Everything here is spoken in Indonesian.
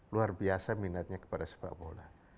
luar biasa minatnya kepada sepak bola